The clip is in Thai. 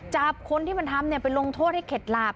จับคนที่มันทำไปลงโทษให้เข็ดหลาบ